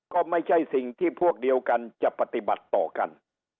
ก็ไม่ใช่สิ่งที่พวกเดียวกันจะปฏิบัติต่อกัน